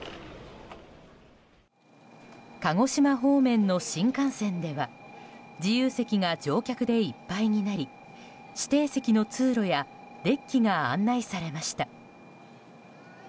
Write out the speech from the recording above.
鹿児島方面の新幹線では自由席が乗客でいっぱいになり指定席の通路やデッキが案内されました。